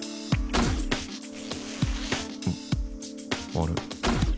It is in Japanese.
あれ？